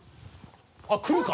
あっくるか？